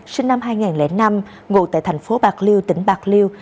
sinh năm hai nghìn năm ngụ tại thành phố bạc liêu tỉnh bạc liêu